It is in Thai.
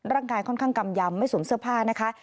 ร่างกายค่อนข้างกำยำไม่สวมเสื้อผ้านะคะ